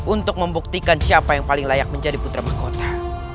untuk membuktikan siapa yang paling layak menjadi putra mahkota